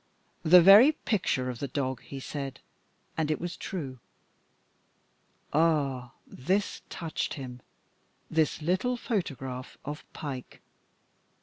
The "very pictur'" of the dog, he said, and it was true. Ah! this touched him, this little photograph of Pike.